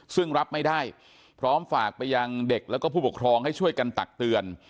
ซึ่งรับไม่ได้พร้อมฝากไปยังเด็กแล้วก็ผู้ปกครองให้ช่วยกันตักเตือน